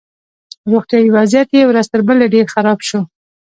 روغتیایي وضعیت یې ورځ تر بلې ډېر خراب شو